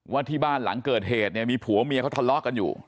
ว่าที่บ้านหลังเกิดเหตุเนี่ยมีผัวเมียเขาทะเลาะกันอยู่